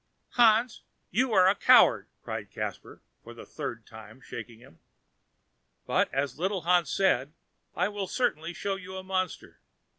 "Hans, you are a coward!" replied Caspar, for the third time shaking him. But as little Hans said, "I will certainly show you a monster!"